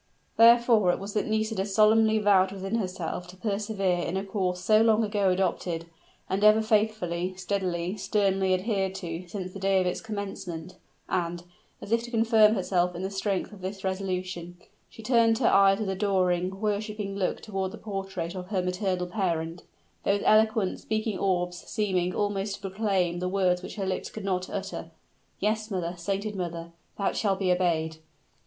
Therefore it was that Nisida solemnly vowed within herself to persevere in a course so long ago adopted, and ever faithfully, steadily, sternly adhered to since the day of its commencement; and, as if to confirm herself in the strength of this resolution, she turned her eyes with adoring, worshiping look toward the portrait of her maternal parent, those eloquent, speaking orbs seeming almost to proclaim the words which her lips could not utter, "Yes, mother sainted mother! thou shalt be obeyed!"